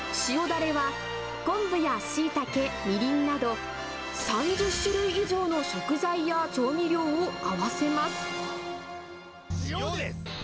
だれは昆布やシイタケ、みりんなど、３０種類以上の食材や調味料を合わせます。